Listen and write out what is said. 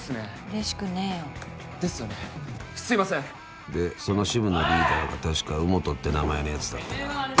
うれしくねぇよですよねすみませんでその支部のリーダーが確か兎本って名前のやつだったな。